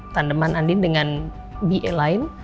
tandeman andin dengan bea lain